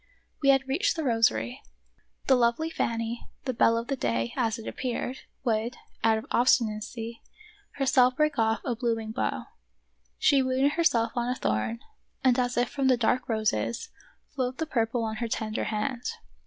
We had reached the rosary. The lovely Fanny, the belle of the day, as it appeared, would, out of obstinacy, herself break off a blooming bough. She wounded herself on a thorn, and as if from the dark roses, flowed the purple on her tender hand.